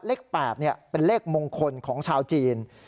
เลข๘เป็นเลขมงคลของชาวจีน